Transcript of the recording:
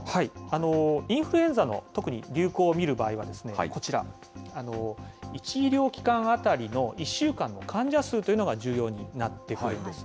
インフルエンザの、特に流行を見る場合には、こちら、１医療機関当たりの１週間の患者数というのが重要になってくるんです。